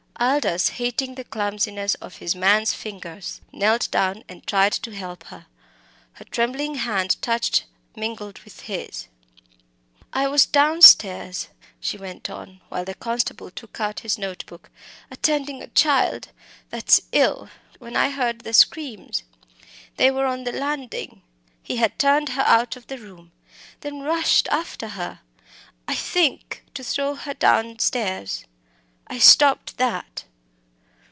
Aldous, hating the clumsiness of his man's fingers, knelt down and tried to help her. Her trembling hand touched, mingled with his. "I was downstairs," she went on, while the constable took out his note book, "attending a child that's ill when I heard the screams. They were on the landing; he had turned her out of the room then rushed after her I think to throw her downstairs I stopped that.